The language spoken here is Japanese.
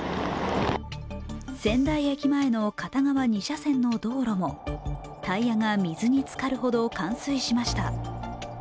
仙台駅前の片側２車線の道路もタイヤが水につかるほど冠水しました。